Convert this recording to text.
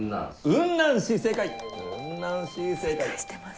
雲南市正解！